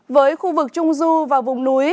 với khu vực trung du và vùng núi